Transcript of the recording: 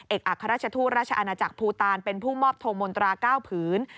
อัครราชทูตราชอาณาจักรภูตานเป็นผู้มอบทงมนตรา๙ผืน